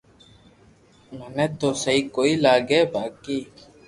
منو تو سھي ڪوئي لاگي بائي